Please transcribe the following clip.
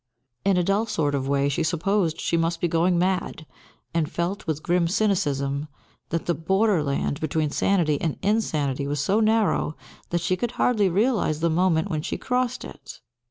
In a dull sort of way she supposed she must be going mad, and felt with grim cynicism that the border land between sanity and insanity was so narrow that she would hardly realise the moment when she crossed it.